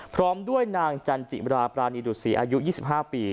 พร้อมด้วยนางจันจิมราปรานีดุษีอายุ๒๕ปี